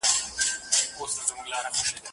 ته به ولاړ سې دا دنیا بل ته پاتیږي